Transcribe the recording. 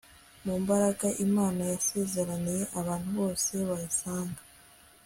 mu mbaraga Imana yasezeraniye abantu bose bayisanga